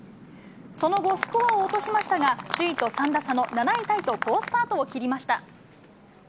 その後、スコアを落としましたが、首位と３打差の７位タイと好スタートを切りました。